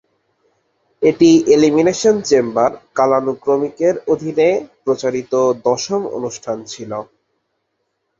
এটি elimination chamber কালানুক্রমিকের অধীনে প্রচারিত দশম অনুষ্ঠান ছিল।